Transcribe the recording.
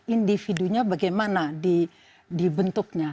individunya bagaimana di bentuknya